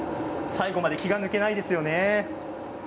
最後まで気が抜けないですよね。